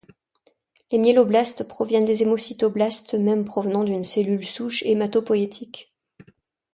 Les myéloblastes proviennent des hémocytoblastes eux-mêmes provenant d'une cellule souche hématopoïétique.